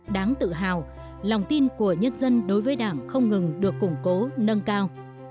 đáng tự hào lòng tin của nhân dân đối với đảng không ngừng được củng cố nâng cao